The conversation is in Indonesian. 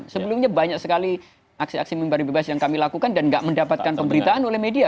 sebelumnya banyak sekali aksi aksi memberi bebas yang kami lakukan dan tidak mendapatkan pemberitaan oleh media